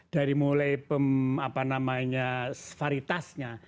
dari mulai varitasnya